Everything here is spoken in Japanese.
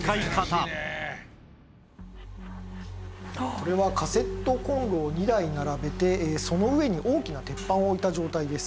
これはカセットコンロを２台並べてその上に大きな鉄板を置いた状態です。